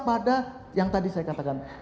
pada yang tadi saya katakan